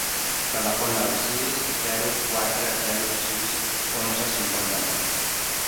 Telefona al sis, zero, quatre, zero, sis, onze, cinquanta-nou.